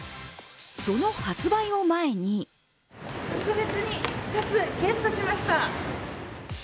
その発売を前に特別に２つ、ゲットしました。